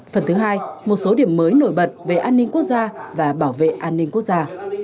phần thứ hai một số điểm mới nổi bật về an ninh quốc gia và bảo vệ an ninh quốc gia